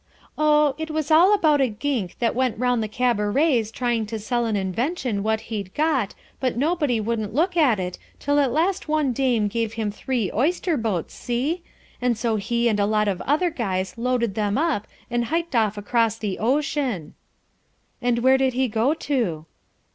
"Oh, it was all about a gink that went round the cabarets trying to sell an invention what he'd got but nobody wouldn't look at it till at last one dame gave him three oyster boats, see? and so he and a lot of other guys loaded them up and hiked off across the ocean." "And where did he go to?"